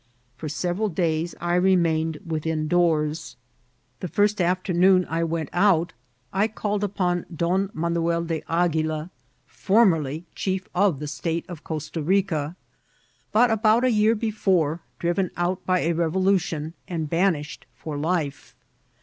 For several days I remained within doors. The first afternoon I Vol. I.— S s S88 IlfCIDBlfTS OF TRATIL. went out I called upon Don Manuel de Agnilay formeriy chief of the State of Costa Bica, but about a year be fore driven out by a revoltrtion and banished for life.